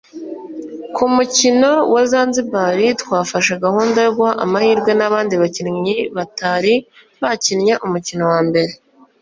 ’Ku mukino wa Zanzibar twafashe gahunda yo guha amahirwe n’abandi bakinnyi batari bakinnye umukino wa mbere